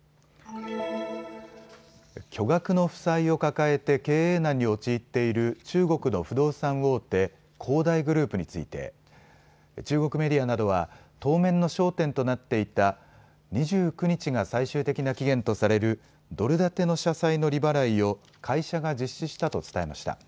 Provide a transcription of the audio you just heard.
巨額の負債を抱えて経営難に陥っている中国の不動産大手、恒大グループについて中国メディアなどは当面の焦点となっていた２９日が最終的な期限とされるドル建ての社債の利払いを会社が実施したと伝えました。